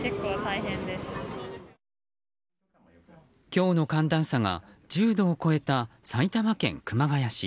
今日の寒暖差が１０度を超えた埼玉県熊谷市。